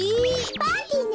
パーティーね！